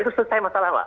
itu selesai masalah mbak